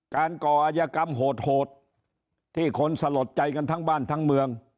ก่ออายกรรมโหดที่คนสลดใจกันทั้งบ้านทั้งเมือง